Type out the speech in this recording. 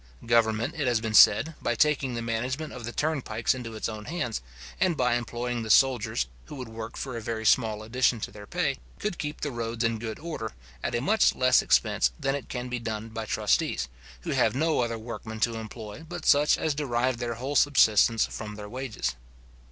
Government, it has been said, by taking the management of the turnpikes into its own hands, and by employing the soldiers, who would work for a very small addition to their pay, could keep the roads in good order, at a much less expense than it can be done by trustees, who have no other workmen to employ, but such as derive their whole subsistence from their wages.